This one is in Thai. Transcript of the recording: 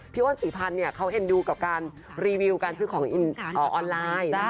พี่โอนสีพันธ์เนี่ยเขาเห็นดูกับการรีวิวการซื้อของออนไลน์นะครับ